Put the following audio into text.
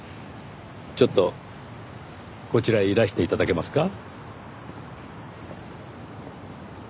ちょっとこちらへいらして頂けますか？